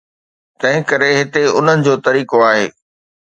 تنهنڪري هتي انهن جو طريقو آهي.